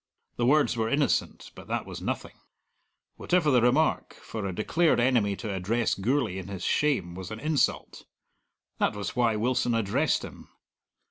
The words were innocent, but that was nothing; whatever the remark, for a declared enemy to address Gourlay in his shame was an insult: that was why Wilson addressed him.